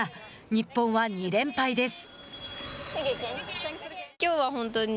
日本は２連敗です。